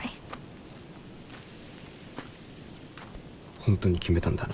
本当に決めたんだな。